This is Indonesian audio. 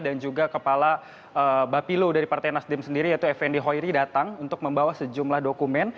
dan juga kepala bapilu dari partai nasdem sendiri yaitu f d khoiri datang untuk membawa sejumlah dokumen